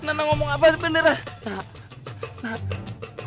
nanda ngomong apa sebenarnya